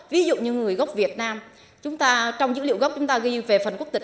ví dụ như người gốc việt nam trong dữ liệu gốc chúng ta ghi về phần quốc tịch